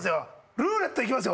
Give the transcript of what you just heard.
ルーレットいきますよ